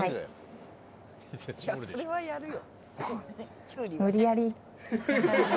それはやるよ。